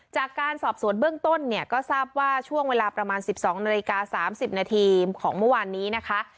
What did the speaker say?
จากการสอบสวนเบื้องต้นเนี่ยก็ทราบว่าช่วงเวลาประมาณ๑๒นาฬิกา๓๐นาทีของเมื่อวานนี้นะคะ